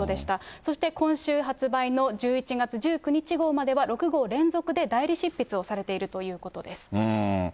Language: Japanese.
そして今週発売の１１月１９日号までは、６号連続で代理執筆をされているということです。